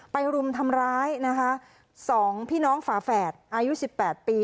ไปรุมทำร้าย๒พี่น้องฝาแฝดอายุ๑๘ปี